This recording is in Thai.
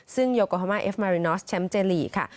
ซึ่งโยโกฮามาเอฟมารินอสแชมป์เจลีกค่ะ